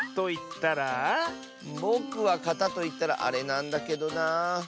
ぼくは「かた」といったらあれなんだけどなあ。